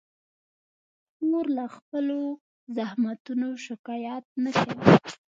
خور له خپلو زحمتونو شکایت نه کوي.